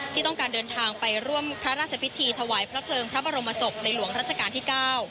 ที่ต้องการเดินทางไปร่วมพระราชพิธีถวายพระเพลิงพระบรมศพในหลวงรัชกาลที่๙